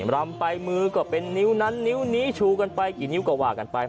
รำไปมือก็เป็นนิ้วนั้นนิ้วนี้ชูกันไปกี่นิ้วก็ว่ากันไป